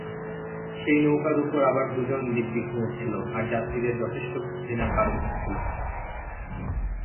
সেই নৌকার উপর আবার দুজন দিব্বি ঘুমুচ্ছিল, আর যাত্রীদের যথেষ্ট ঘৃণার কারণ হচ্ছিল।